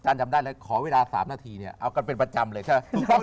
จำได้เลยขอเวลา๓นาทีเนี่ยเอากันเป็นประจำเลยใช่ไหม